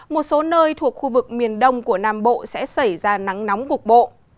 một số nơi thuộc khu vực miền đông của nam bộ sẽ xảy ra nắng nóng cục bộ